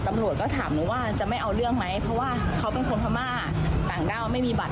ตำรวจก็ถามหนูว่าจะไม่เอาเรื่องไหมเพราะว่าเขาเป็นคนพม่าต่างด้าวไม่มีบัตร